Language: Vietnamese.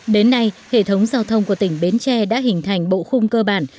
đến nay hệ thống giao thông của tỉnh bến tre đã hình thành bộ khung cơ bản